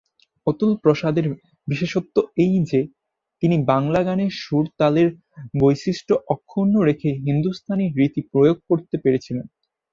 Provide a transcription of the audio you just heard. অতুল প্রসাদের বিশেষত্ব এই যে, তিনি বাংলা গানের সুর-তালের বৈশিষ্ট্য অক্ষুণ্ণ রেখেই হিন্দুস্তানি রীতির প্রয়োগ করতে পেরেছিলেন।